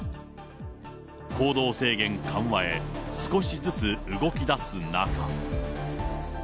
行動制限緩和へ、少しずつ動きだす中。